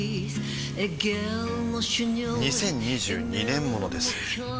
２０２２年モノです